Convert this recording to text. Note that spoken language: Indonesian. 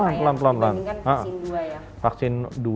agak lambar ya ya dibandingkan vaksin dua ya